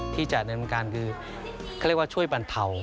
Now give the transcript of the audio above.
ที่จะเนินการคือช่วยบรรเทา